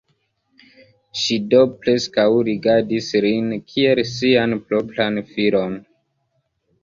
Ŝi do preskaŭ rigardis lin kiel sian propran filon.